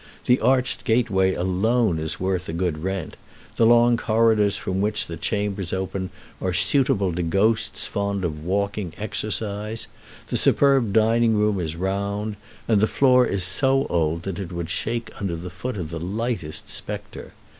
The arched gateway is alone worth a good rent; the long corridors from which the chambers open are suitable to ghosts fond of walking exercise; the superb dining room is round, and the floor is so old that it would shake under the foot of the lightest spectre.